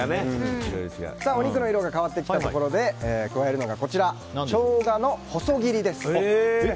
お肉の色が変わったところで入れるのが加えるのがショウガの細切りです。